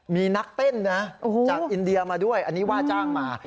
มีนักเต้นนะจากอินเดียมาด้วยอันนี้ว่าจ้างมา